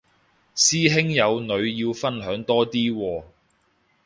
師兄有女要分享多啲喎